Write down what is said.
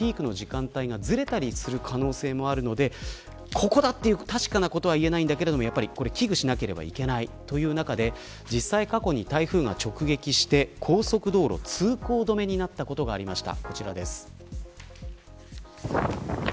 ここだと確かなことは言えないですが危惧しなければいけないという中で実際過去に台風が直撃して高速道路、通行止めになったことがありました。